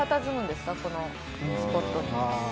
このスポットに。